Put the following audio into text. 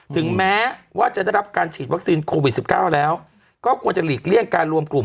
ถึงแม้ว่าจะได้รับการฉีดวัคซีนโควิด๑๙แล้วก็ควรจะหลีกเลี่ยงการรวมกลุ่ม